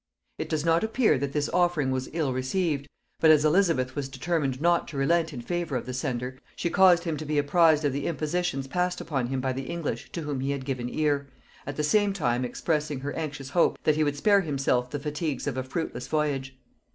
It does not appear that this offering was ill received; but as Elizabeth was determined not to relent in favor of the sender, she caused him to be apprized of the impositions passed upon him by the English to whom he had given ear, at the same time expressing her anxious hope that he would spare himself the fatigues of a fruitless voyage.